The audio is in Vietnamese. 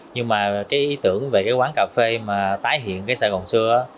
nhưng mà cái ý tưởng về quán cà phê mà tái hiện sài gòn xưa